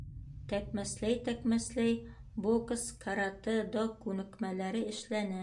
Тәкмәсләй-тәкмәсләй бокс, каратэ-до күнекмәләре эшләне.